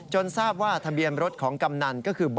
จนทราบว่าทะเบียมรถของกำนันก็คือบร๘๐๐๑